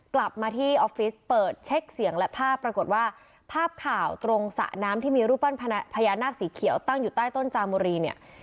กลับมาที่ออฟฟิศเปิดเช็คเสียงและภาพปรากฏว่าภาพข่าวตรงสระน้ำที่มีรูปปั้นพญานาคสีเขียวตั้งอยู่ใต้ต้นจามบุรีเนี่ย